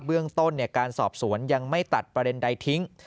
เบื้องต้นการสอบสวนยังไม่ตัดประเด็นใดทิ้ง